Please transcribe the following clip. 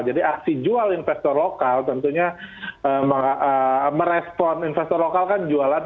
jadi aksi jual investor lokal tentunya merespon investor lokal kan jualan